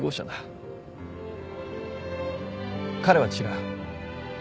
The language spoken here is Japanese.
彼は違う。